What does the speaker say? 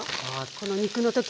この肉の時に。